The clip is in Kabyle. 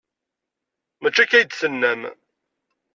Maci akka ay d-tennam.